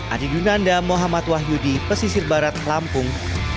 adi dunanda muhammad wahyudi pesisir barat lampung